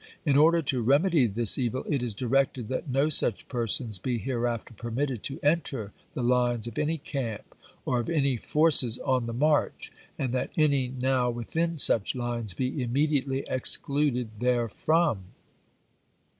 In order to remedy this evil, it is directed that no such persons be hereafter permitted to enter the lines of any camp or of any forces on the y^r p march, and that any now within such lines be ^ pis?"/" immediately excluded therefrom."